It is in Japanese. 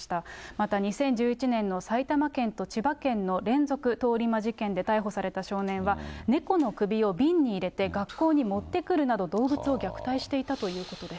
また、２０１１年の埼玉県と千葉県の連続通り魔事件で逮捕された少年は、猫の首を瓶に入れて、学校に持ってくるなど、動物を虐待していたということです。